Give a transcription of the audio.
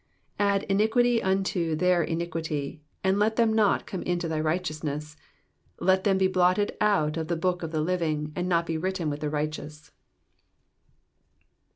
27 Add iniquity unto their iniquity : and let them not come into thy righteousness. 28 Let them be blotted out of the book of the living, and not be written with the righteous.